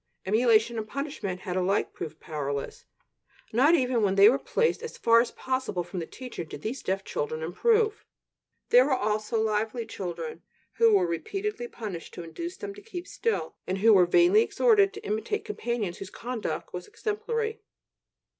Emulation and punishment had alike proved powerless; not even when they were placed as far as possible from the teacher did these deaf children improve! There were also lively children, who were repeatedly punished to induce them to keep still, and who were vainly exhorted to imitate companions whose conduct was exemplary.